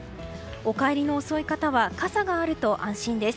お帰りの遅い方は傘があると安心です。